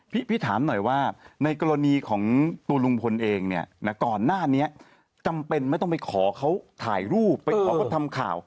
พี่ถามหน่อยว่าในกรณีของตัวลุงพลเองเนี่ยนะก่อนหน้านี้จำเป็นไม่ต้องไปขอเขาถ่ายรูปไปขอเขาทำข่าว